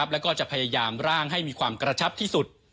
แล้วก็จะพยายามร่างให้มีความกระชับที่สุด